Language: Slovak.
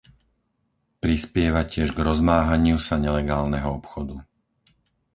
Prispieva tiež k rozmáhaniu sa nelegálneho obchodu.